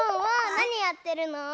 なにやってるの？